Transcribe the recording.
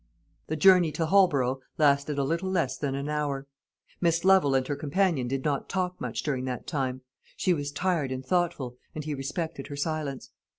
The journey to Holborough lasted a little less than an hour. Miss Lovel and her companion did not talk much during that time. She was tired and thoughtful, and he respected her silence.